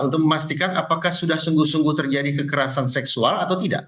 untuk memastikan apakah sudah sungguh sungguh terjadi kekerasan seksual atau tidak